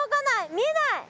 見えない！